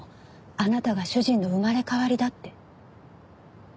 あなたが主人の生まれ変わりだって。